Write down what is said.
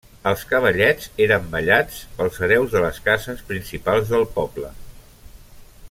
Els cavallets eren ballats pels hereus de les cases principals del poble.